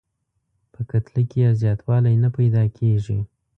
په کتله کې یې زیاتوالی نه پیدا کیږي.